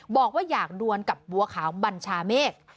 บอกว่าอยากดวนกับบัวขาวบัญชาเมฆ